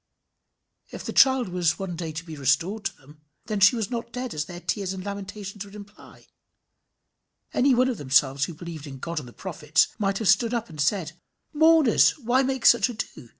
If the child was to be one day restored to them, then she was not dead as their tears and lamentations would imply. Any one of themselves who believed in God and the prophets, might have stood up and said "Mourners, why make such ado?